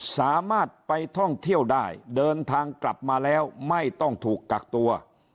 สามารถไปท่องเที่ยวได้เดินทางกลับมาแล้วไม่ต้องถูกกักตัว